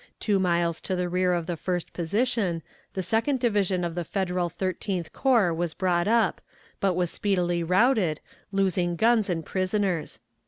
Two miles to the rear of the first position, the Second Division of the Federal Thirteenth Corps was brought up, but was speedily routed, losing guns and prisoners.